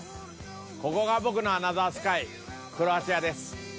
ここが僕のアナザースカイクロアチアです。